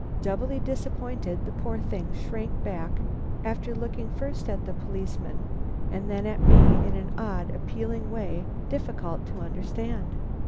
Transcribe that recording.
Doubly disappointed, the poor thing shrank back, after looking first at the policeman and then at me in an odd, appealing way, difficult to understand.